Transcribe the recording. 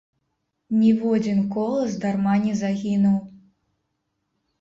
Ніводзін колас дарма не загінуў.